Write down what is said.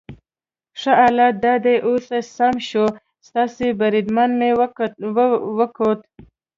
ښه، حالات دا دي اوس سم شول، ستاسي بریدمن مې وکوت.